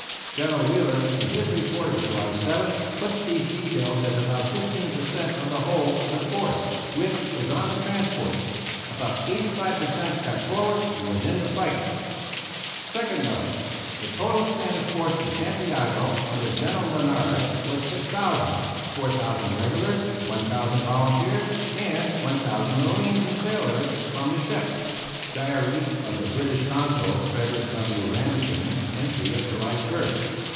General Wheeler, in his report of July 7th, puts these details as about fifteen per cent of the whole of the force which was on the transports; about eighty five per cent got forward and was in the fight. Note: The total Spanish force in Santiago under General Linares was 6,000: 4,000 regulars, 1,000 volunteers, and 1,000 marines and sailors from the ships. (Diary of the British Consul, Frederick W. Ramsden, entry of July 1st.)